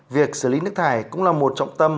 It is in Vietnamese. việc xử lý nước thải cũng là một trọng tâm